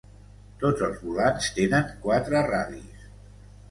Tots els volants tenen quatre radis.